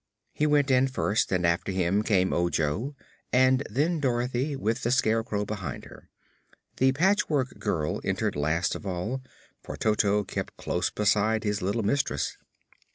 He went in first and after him came Ojo, and then Dorothy, with the Scarecrow behind her. The Patchwork Girl entered last of all, for Toto kept close beside his little mistress.